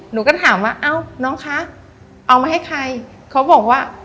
หนูก็ถามว่าเอ้าน้องคะเอามาให้ใครเขาบอกว่า